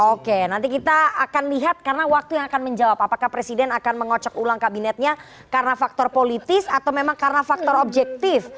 oke nanti kita akan lihat karena waktu yang akan menjawab apakah presiden akan mengocok ulang kabinetnya karena faktor politis atau memang karena faktor objektif